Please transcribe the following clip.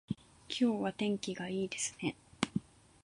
今日は天気がいいですね